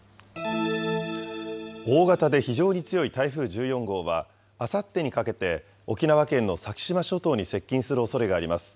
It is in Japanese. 大型で非常に強い台風１４号は、あさってにかけて沖縄県の先島諸島に接近するおそれがあります。